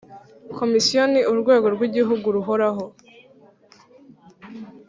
Komisiyo ni urwego rw Igihugu ruhoraho